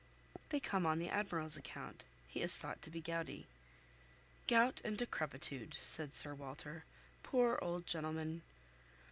"They come on the Admiral's account. He is thought to be gouty." "Gout and decrepitude!" said Sir Walter. "Poor old gentleman."